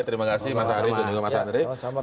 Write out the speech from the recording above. terima kasih mas ari dan juga mas andri